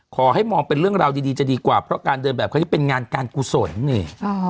ขอให้มองเป็นเรื่องราวดีจะดีกว่าเพราะการเดินแบบเขาจะเป็นงานการกุศลนี่